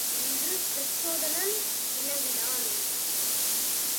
என்று பிரச்சோதனன் வினவினான்.